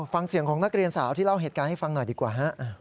ฟังเสียงของนักเรียนสาวที่เล่าเหตุการณ์ให้ฟังหน่อยดีกว่าฮะ